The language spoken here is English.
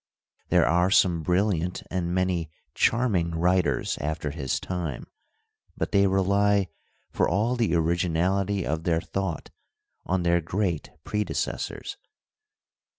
There are some brilliant and many charming writers after his time, but they rely for all the originality of their thought on their great predecessors.